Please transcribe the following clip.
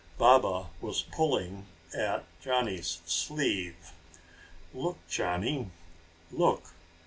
Baba was pulling at Johnny's sleeve. "Look, Johnny, look!"